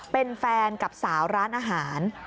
เป็นแฟนกับสาวร้านอาหาร